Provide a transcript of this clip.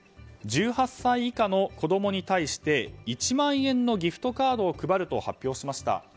１８歳以下の子供に対して１万円のギフトカードを配ると発表しました。